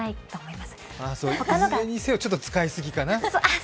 いずれにせよ、ちょっと使いすぎかな。